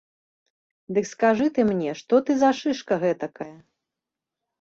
Дык скажы ты мне, што ты за шышка гэтакая?